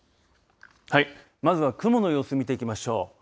はい、まずは雲の様子見ていきましょう。